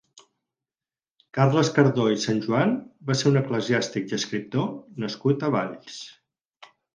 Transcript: Carles Cardó i Sanjoan va ser un eclesiàstic i escriptor nascut a Valls.